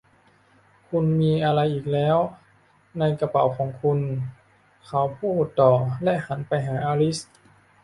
'คุณมีอะไรอีกแล้วในกระเป๋าของคุณ ?' เขาพูดต่อและหันไปหาอลิซ